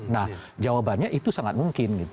nah jawabannya itu sangat mungkin gitu